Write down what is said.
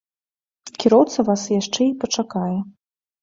Кіроўца вас яшчэ і пачакае.